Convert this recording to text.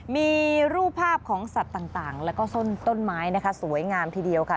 มีรูปภาพของสัตว์ต่างแล้วก็ต้นไม้นะคะสวยงามทีเดียวค่ะ